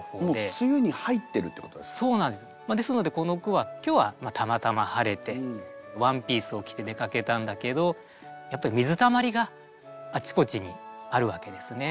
ですのでこの句は今日はたまたま晴れてワンピースを着て出かけたんだけどやっぱり水たまりがあちこちにあるわけですね。